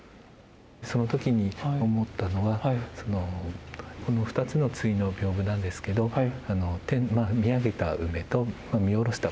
その時に思ったのは２つの対の屏風なんですけど見上げた梅と見下ろした